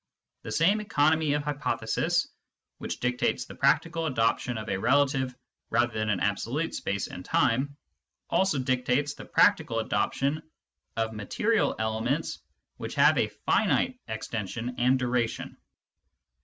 The same economy of hypothesis, which dictates the practical adoption of a relative rather than an absolute space and time, also dictates the practical adoption of material elements which have a finite extension and duration.